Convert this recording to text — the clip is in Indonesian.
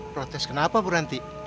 protes kenapa berhenti